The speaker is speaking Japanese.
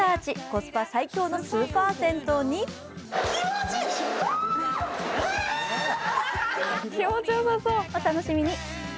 コスパ最強のスーパー銭湯にお楽しみに。